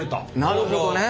なるほどね。